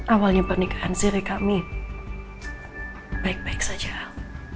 awalnya pernikahan zirih kami baik baik saja al